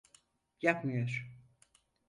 Yapmıyor.